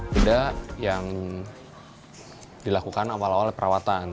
tidak yang dilakukan awal awal perawatan